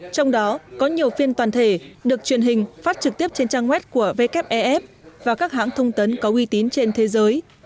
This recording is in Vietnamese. trong đó có nhiều phiên toàn thể được truyền hình phát trực tiếp trên trang web của wef và các hãng thông tấn có uy tín trên thế giới